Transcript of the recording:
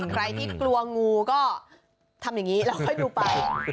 ใครที่กลัวงูก็ทำอย่างนี้แล้วค่อยดูไป